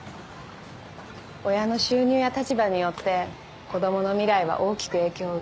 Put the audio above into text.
親の収入や立場によって子供の未来は大きく影響を受けます。